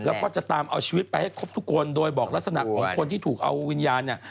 แล้วก็จะตามเอาชีวิตไปให้ครบทุกคนโดยบอกลักษณะของคนที่ถูกเอาวิญญาณเนี่ย